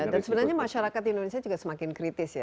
dan sebenarnya masyarakat di indonesia juga semakin kritis